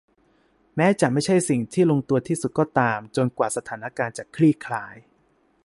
แม้จะไม่ใช่สิ่งที่ลงตัวที่สุดก็ตามจนกว่าสถานการณ์จะคลี่คลาย